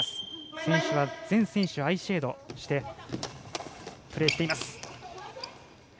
選手は全選手アイシェードをしてプレーしています。